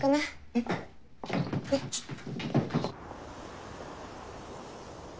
えっえっちょっと。